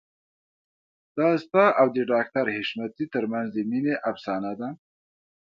دا ستا او د ډاکټر حشمتي ترمنځ د مينې افسانه ده